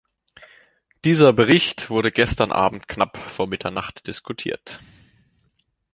Dieser Bericht wurde gestern Abend knapp vor Mitternacht diskutiert.